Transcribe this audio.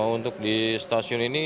untuk di stasiun ini